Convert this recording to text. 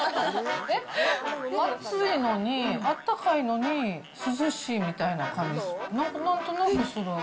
熱いのに、あったかいのに、涼しいみたいな感じ、なんとなくする。